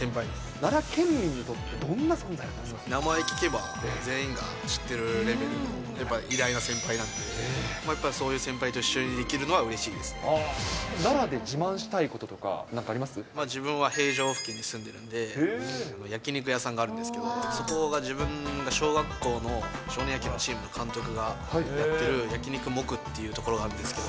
奈良県民にとってどんな存在名前聞けば、全員が知ってるレベルのやっぱり偉大な先輩なんで、やっぱりそういう先輩と一緒奈良で自慢したいこととか、自分は平城付近に住んでるんで、焼き肉屋さんがあるんですけど、そこが自分が小学校の少年野球のチームの監督がやってる焼き肉もくっていうところなんですけど。